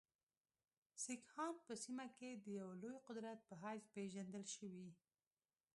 سیکهان په سیمه کې د یوه لوی قوت په حیث پېژندل شوي.